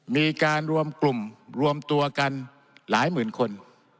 มีการรวมกลุ่มรวมตัวกันหลายหมื่นคน